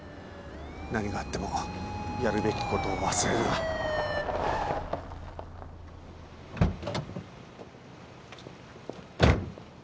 何があってもやるべきことを忘れるな。